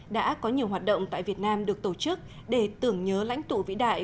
đã có nhiều hoạt động tại việt nam được tổ chức để tưởng nhớ lãnh tụ vĩ đại